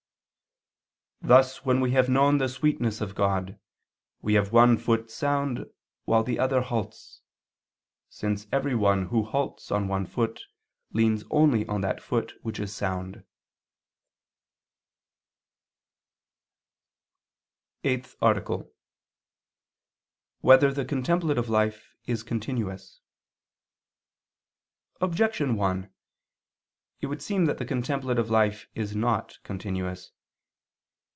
"Thus when we have known the sweetness of God, we have one foot sound while the other halts; since every one who halts on one foot leans only on that foot which is sound." _______________________ EIGHTH ARTICLE [II II, Q. 180, Art. 8] Whether the Contemplative Life Is Continuous? Objection 1: It would seem that the contemplative life is not continuous.